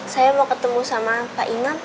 saya mau ketemu sama pak imam